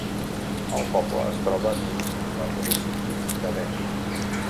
El poble es troba dins del municipi d'Eden.